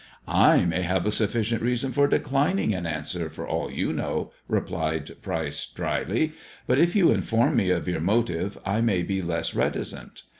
>r "I may have a sufficient reason for declining an answer, :cr for all you know," replied Pryce dryly. " But if you in ly form me of your motive, I may be less reticent.